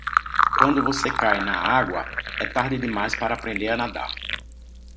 Quando você cai na água, é tarde demais para aprender a nadar.